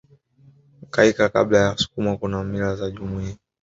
Kaika kabila la wasukuma Kuna mila za jumuiya